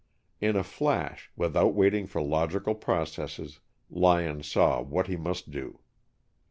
In a flash, without waiting for logical processes, Lyon saw what he must do.